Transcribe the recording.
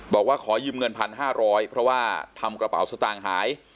บอกว่าขอยืมเงิน๑๕๐๐เพราะว่าทำกระเป๋าสตางค์หาย